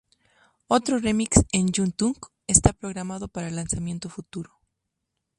Otro remix con Young Thug está programado para lanzamiento futuro.